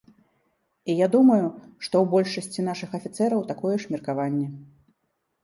І я думаю, што ў большасці нашых афіцэраў такое ж меркаванне.